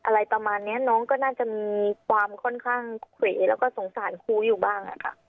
อะไรประมาณนี้น้องก็น่าจะมีความค่อนข้างเขวแล้วก็สงสารครูอยู่บ้างค่ะ